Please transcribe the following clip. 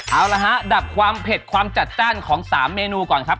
เอาละฮะดับความเผ็ดความจัดจ้านของ๓เมนูก่อนครับ